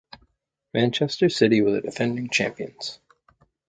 Manchester City were the defending champions.